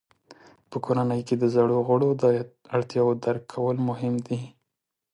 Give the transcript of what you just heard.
په کورنۍ کې د زړو غړو د اړتیاوو درک کول مهم دي.